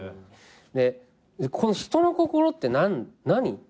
で人の心って何？